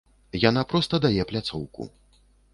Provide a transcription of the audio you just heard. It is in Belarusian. Яна проста дае пляцоўку.